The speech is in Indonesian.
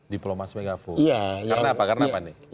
diplomasi singapura karena apa karena apa nih